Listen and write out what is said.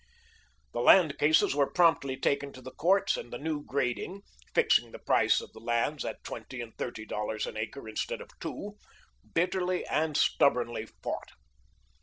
The land cases were promptly taken to the courts and the new grading fixing the price of the lands at twenty and thirty dollars an acre instead of two bitterly and stubbornly fought.